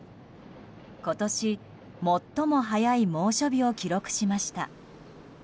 今年、最も早い猛暑日を記録しました。